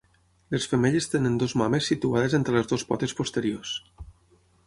Les femelles tenen dues mames situades entre les dues potes posteriors.